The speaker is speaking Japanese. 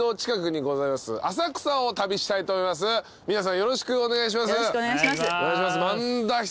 よろしくお願いします。